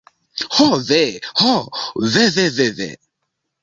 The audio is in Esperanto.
Ho ve. Ho ve ve ve ve.